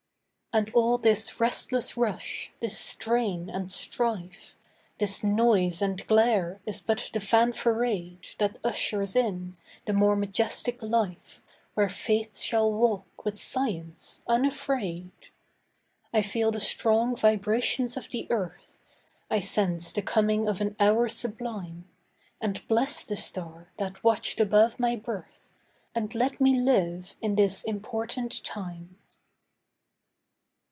And all this restless rush, this strain and strife, This noise and glare is but the fanfarade That ushers in the more majestic life Where faith shall walk with science, unafraid. I feel the strong vibrations of the earth, I sense the coming of an hour sublime, And bless the star that watched above my birth And let me live in this important time.